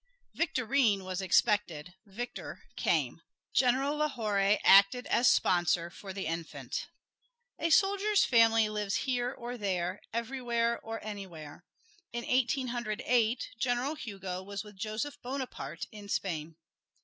Victorine was expected, Victor came. General Lahorie acted as sponsor for the infant. A soldier's family lives here or there, everywhere or anywhere. In Eighteen Hundred Eight, General Hugo was with Joseph Bonaparte in Spain.